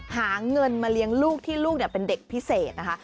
หาเงินมาเลี้ยงลูกที่ลูกเป็นเด็กพิเศษนะคะ